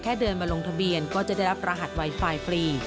เดินมาลงทะเบียนก็จะได้รับรหัสไวไฟฟรี